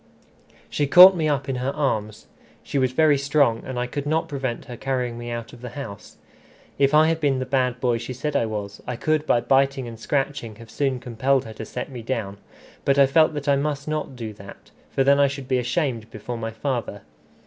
She caught me up in her arms. She was very strong, and I could not prevent her carrying me out of the house. If I had been the bad boy she said I was, I could by biting and scratching have soon compelled her to set me down; but I felt that I must not do that, for then I should be ashamed before my father.